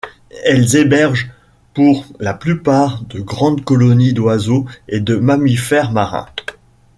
Elles hébergent pour la plupart de grandes colonies d'oiseaux et de mammifères marins.